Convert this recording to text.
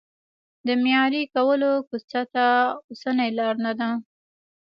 د معیاري کولو کوڅې ته اوسنۍ لار نه ده.